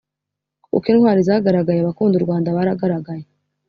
kuko intwari zagaragaye. abakunda u rwanda baragaragaye